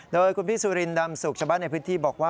โดยคุณพี่สุรินดำสุขชาวบ้านในพื้นที่บอกว่า